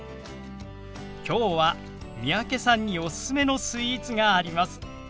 きょうは三宅さんにおすすめのスイーツがあります。